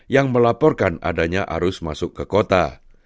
yang melaporkan adanya arus masuk ke kota